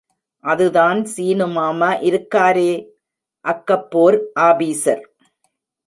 அதுதான் சீனு மாமா இருக்காரே, அக்கப்போர் ஆபீசர்.